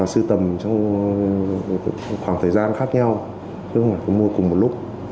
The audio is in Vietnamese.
và sư tầm trong khoảng thời gian khác nhau chứ không phải mua cùng một lúc